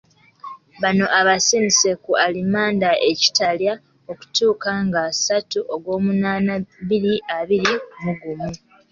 Bano abasindise ku alimanda e Kitalya okutuuka nga ssatu Ogwomunaana, bbiri abiri mu gumu.